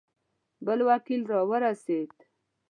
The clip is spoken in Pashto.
بل وکیل را ورسېد.